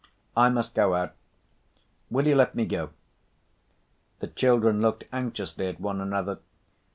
I must go out. Will you let me go?" The children looked anxiously at one another.